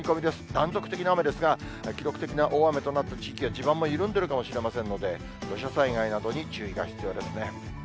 断続的な雨ですが、記録的な大雨となった地域は地盤が緩んでいるので、土砂災害などに注意が必要ですね。